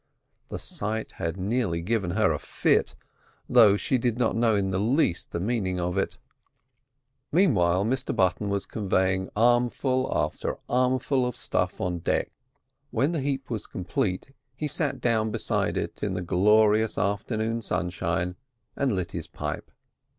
The sight had nearly given her a fit, though she did not know in the least the meaning of it. Meanwhile Mr Button was conveying armful after armful of stuff on deck. When the heap was complete, he sat down beside it in the glorious afternoon sunshine, and lit his pipe.